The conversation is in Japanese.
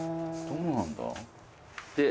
どうなんだ？